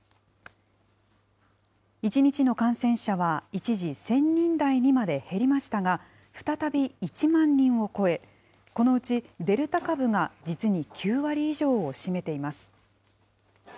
１日の感染者は一時、１０００人台にまで減りましたが、再び１万人を超え、このうちデルタ株が、実に９割以上を占めています。